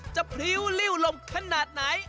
จะพริ้วลิ่วลมขนาดไหน